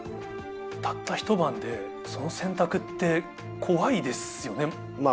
たった一晩で、その選まあ、怖いですね。